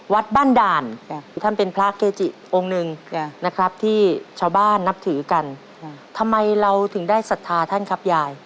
วัดบ้านด่านคือท่านเป็นพระเกจิองค์หนึ่งนะครับที่ชาวบ้านนับถือกันทำไมเราถึงได้ศรัทธาท่านครับยาย